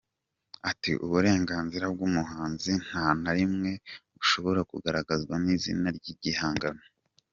Ati "Uburenganzira bw’umuhanzi nta na nimwe bushobora kugaragazwa n’izina ry’igihangano.